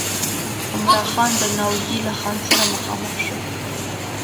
عمرا خان د ناوګي له خان سره مخامخ شو.